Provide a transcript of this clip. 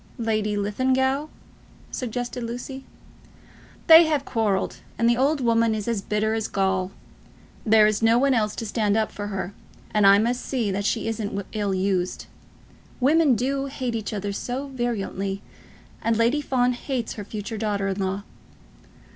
"Lady Linlithgow," suggested Lucy. "They have quarrelled, and the old woman is as bitter as gall. There is no one else to stand up for her, and I must see that she isn't ill used. Women do hate each other so virulently, and Lady Fawn hates her future daughter in law."